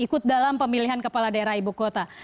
ikut dalam pemilihan kepala daerah ibu kota